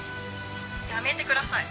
「やめてください」